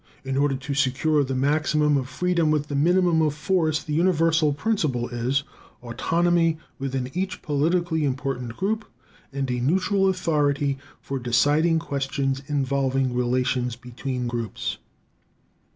In order to secure the maximum of freedom with the minimum of force, the universal principle is: _Autonomy within each politically important group, and a neutral authority for deciding questions involving relations between groups_.